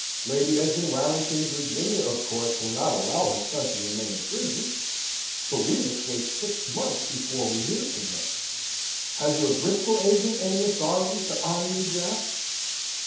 Lady Esmond Warrington in Virginia, of course, will not allow her son to remain in prison, but we must wait six months before we hear from her. Has your Bristol agent any authority to honour your drafts?"